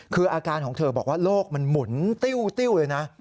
คืออาการของเธอบอกว่าโรคมันหมุนติ้วเลยนะ